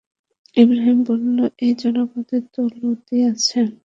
ইবরাহীম বলল, এই জনপদে তো লূতও আছে।